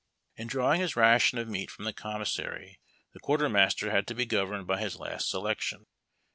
In drawing his ration of meat from the commissary the quartermaster had to be governed by his last selection.